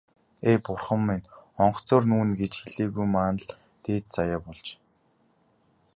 Ээ, бурхан минь, онгоцоор нүүнэ гэж хэлээгүй маань л дээд заяа болж.